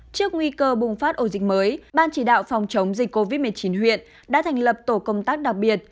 trước nguy cơ bùng phát ổ dịch mới ban chỉ đạo phòng chống dịch covid một mươi chín huyện đã thành lập tổ công tác đặc biệt